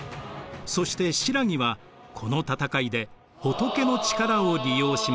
そして新羅はこの戦いで「仏」の力を利用しました。